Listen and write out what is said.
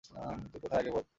তুই কোথায় আগে বল?